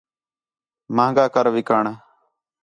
مہنگا کر وِکݨ